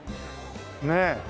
ねえ。